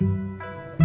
gak ada apa apa